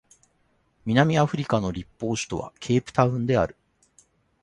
南アフリカの立法首都はケープタウンである